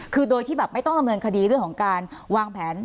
คือโดยที่แบบไม่ต้องดำเนินคดีเรื่องของการวางแผน